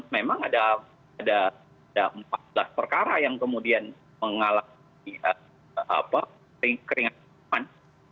memang ada ada ada empat belas perkara yang kemudian mengalami apa keringatan